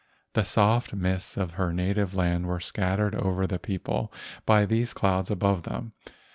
The soft mists of her native land were scattered over the people by these clouds above them.